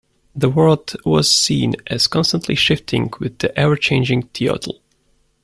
The world was seen as constantly shifting with the ever-changing teotl.